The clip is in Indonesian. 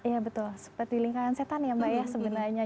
iya betul seperti lingkaran setan ya mbak ya sebenarnya